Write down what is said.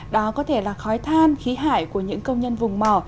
đó có thể là khói than khí thải của những công nhân vùng mỏ